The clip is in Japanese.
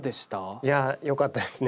いやぁよかったですね。